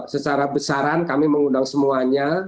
secara besaran kami mengundang semuanya